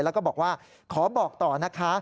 แล้วก็บอกว่าขอบอกต่อนะคะ